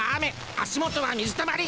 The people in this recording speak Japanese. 足元は水たまり。